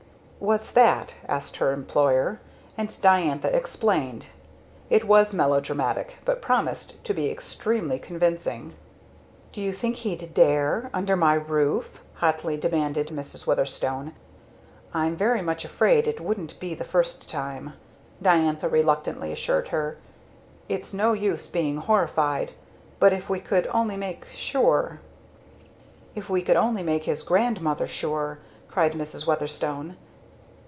"What's that?" asked her employer; and Diantha explained. It was melodramatic, but promised to be extremely convincing. "Do you think he'd dare! under my roof?" hotly demanded Madam Weatherstone. "I'm very much afraid it wouldn't be the first time," Diantha reluctantly assured her. "It's no use being horrified. But if we could only make sure " "If we could only make his grandmother sure!" cried Madam Weatherstone.